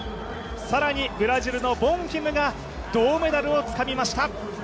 更にブラジルのボンフィムが銅メダルをつかみました。